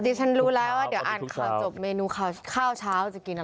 ฉันรู้แล้วว่าเดี๋ยวอ่านข่าวจบเมนูข่าวข้าวเช้าจะกินอะไร